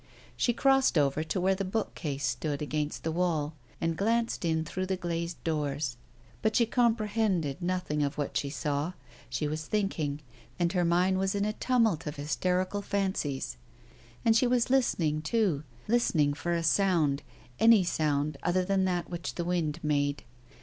She crossed over to where the bookcase stood against the wall, and glanced in through the glazed doors. But she comprehended nothing of what she saw. She was thinking, thinking, and her mind was in a tumult of hysterical fancies. And she was listening too; listening for a sound any sound other than that which the wind made.